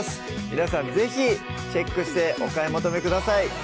皆さん是非チェックしてお買い求めください